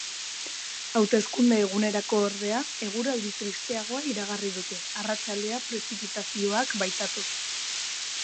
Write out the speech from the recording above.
Hauteskunde egunerako, ordea, eguraldi tristeagoa iragarri dute, arratsaldean prezipitazioak baitatoz.